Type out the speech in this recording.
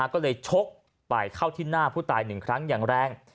ก็เลยชกไปเข้าที่หน้าผู้ตาย๑ครั้งอย่างแรง